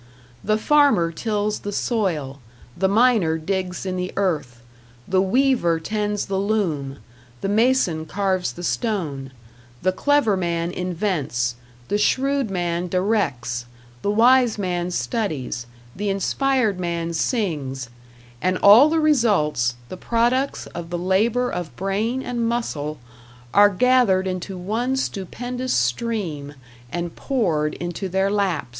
The farmer tills the soil, the miner digs in the earth, the weaver tends the loom, the mason carves the stone; the clever man invents, the shrewd man directs, the wise man studies, the inspired man sings and all the results, the products of the labor of brain and muscle, are gathered into one stupendous stream and poured into their laps!